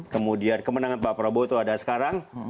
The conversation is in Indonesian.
kemudian kemenangan pak prabowo itu ada sekarang